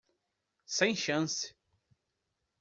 Sem chance!